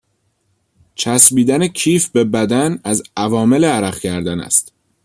چسبیدن کیف به بدن، از عوامل عرق کردن است